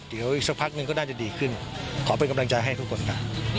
เดี๋ยวอีกสักพักหนึ่งก็น่าจะดีขึ้นขอเป็นกำลังใจให้ทุกคนค่ะ